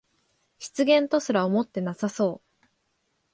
失言とすら思ってなさそう